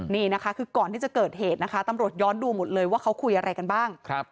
นี่นะคะคือก่อนที่จะเกิดเหตุนะคะตำรวจย้อนดูหมดเลยว่าเขาคุยอะไรกันบ้าง